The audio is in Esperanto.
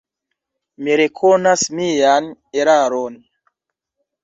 Mi rekonas mian eraron.